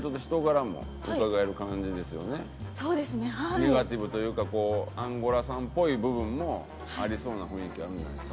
ネガティブというかこうアンゴラさんっぽい部分もありそうな雰囲気あるんじゃないですか？